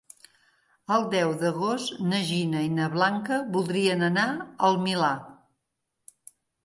El deu d'agost na Gina i na Blanca voldrien anar al Milà.